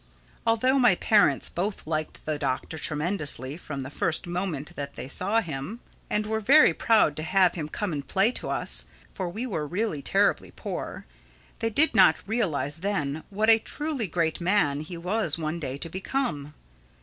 Although my parents both liked the Doctor tremendously from the first moment that they saw him, and were very proud to have him come and play to us (for we were really terribly poor) they did not realize then what a truly great man he was one day to become.